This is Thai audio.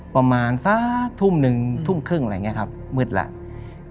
ประมาณสักทุ่มหนึ่งทุ่มครึ่งอะไรอย่างนี้ครับมืดแล้ว